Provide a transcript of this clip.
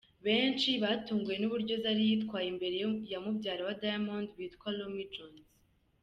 Benshi batunguwe n’uburyo Zari yitwaye imbere ya Mubyara wa Diamond witwa Rommy Jones.